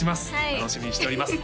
楽しみにしております